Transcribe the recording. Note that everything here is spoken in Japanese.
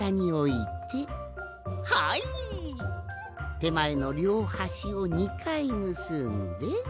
てまえのりょうはしを２かいむすんで。